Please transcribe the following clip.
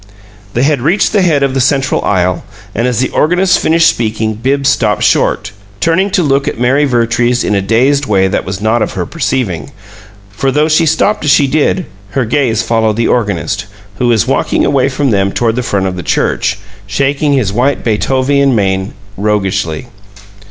They had reached the head of the central aisle, and as the organist finished speaking Bibbs stopped short, turning to look at Mary Vertrees in a dazed way that was not of her perceiving; for, though she stopped as he did, her gaze followed the organist, who was walking away from them toward the front of the church, shaking his white Beethovian mane roguishly.